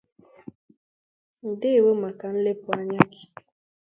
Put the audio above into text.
ndewo maka nlepụ anya gi!